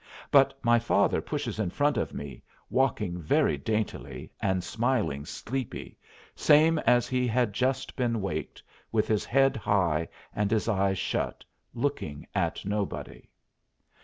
But my father pushes in front of me, walking very daintily, and smiling sleepy, same as he had just been waked, with his head high and his eyes shut, looking at nobody.